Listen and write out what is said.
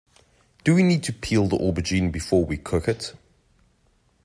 Do we need to peel the aubergine before we cook it?